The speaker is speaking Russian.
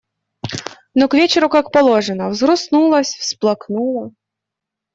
Ну, к вечеру, как положено, взгрустнулось, всплакнула.